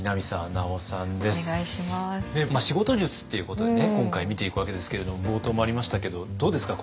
仕事術っていうことでね今回見ていくわけですけれども冒頭もありましたけどどうですか？